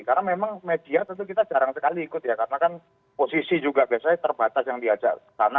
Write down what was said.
karena memang media tentu kita jarang sekali ikut ya karena kan posisi juga biasanya terbatas yang diajak ke sana